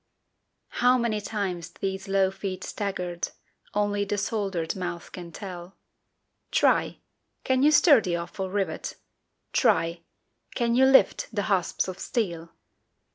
How many times these low feet staggered, Only the soldered mouth can tell; Try! can you stir the awful rivet? Try! can you lift the hasps of steel?